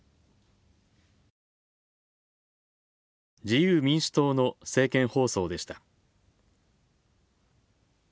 自由民主党の政見放送でした。